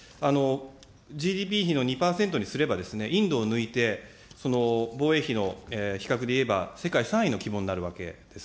ＧＤＰ費の２％にすれば、インドを抜いて、防衛費の比較で言えば、世界３位の規模になるわけです。